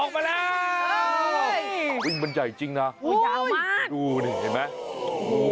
ออกมาแล้วอุ้ยมันใหญ่จริงนะโอ้ยาวมากดูดิเห็นไหม